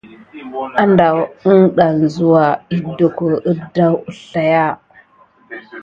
Andawu idanda suwa asana kasaku ida kuzuma idoko idawu wuzlaya.